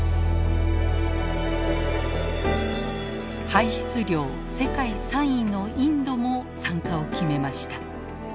排出量世界３位のインドも参加を決めました。